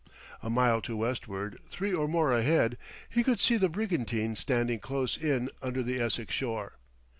A mile to westward, three or more ahead, he could see the brigantine standing close in under the Essex shore.